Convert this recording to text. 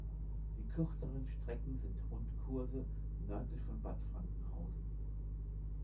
Die kürzeren Strecken sind Rundkurse nördlich von Bad Frankenhausen.